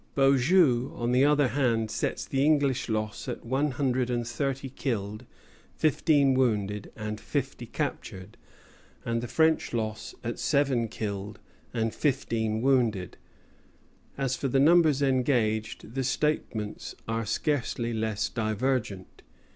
Beaujeu, on the other hand, sets the English loss at one hundred and thirty killed, fifteen wounded, and fifty captured; and the French loss at seven killed and fifteen wounded. As for the numbers engaged, the statements are scarcely less divergent.